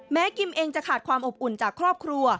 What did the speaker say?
กิมเองจะขาดความอบอุ่นจากครอบครัว